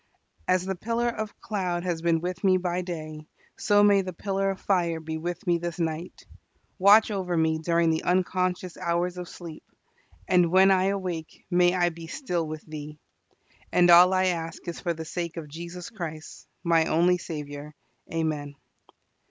As the pillar of cloud has been with me by day, so may the pillar of fire be with me this night. Watch over me during the unconscious hours of sleep, and when I awake may I be still with Thee. And all I ask is for the sake of Jesus Christ, my only Saviour. Amen.